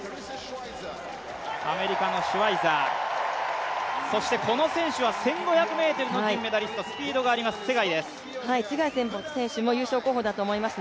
アメリカのシュワイザー、この選手は１５００ｍの金メダリスト、ツェガイです。